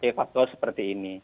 efektual seperti ini